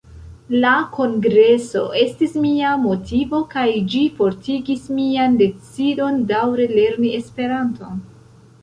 La kongreso estis mia motivo, kaj ĝi fortigis mian decidon daǔre lerni Esperanton.